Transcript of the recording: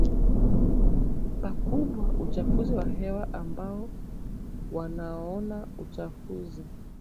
pakubwa uchafuzi wa hewa ambao wanaonaUchafuzi